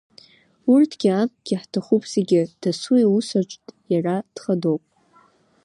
Урҭгьы анҭгьы ҳҭахуп зегьы, дасу иусаҿ иара дхадоуп.